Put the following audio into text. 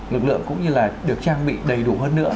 lực lượng cũng như là được trang bị đầy đủ hơn nữa